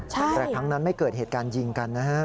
แต่ครั้งนั้นไม่เกิดเหตุการณ์ยิงกันนะฮะ